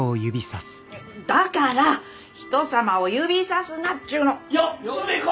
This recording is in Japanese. だからひとさまを指さすなっちゅうの！よっ梅子！